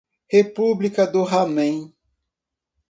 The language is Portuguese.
República do Ramen